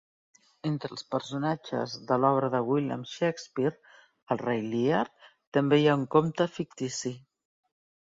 Entre els personatges de l'obra de William Shakespeare "El rei Lear" també hi ha un compte fictici.